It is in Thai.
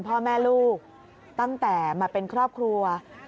พ่อแม่ลูกตั้งแต่มาเป็นครอบครัว